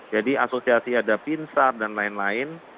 jadi asosiasi ada pinsar dan lain lain